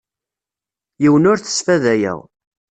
Yiwen ur t-sfadayeɣ.